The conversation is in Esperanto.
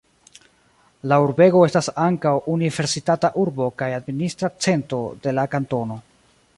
La urbego estas ankaŭ universitata urbo kaj administra cento de la kantono.